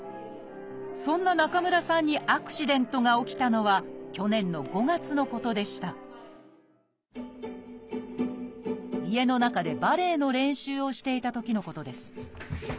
そんな中村さんにアクシデントが起きたのは去年の５月のことでした家の中でバレエの練習をしていたときのことです。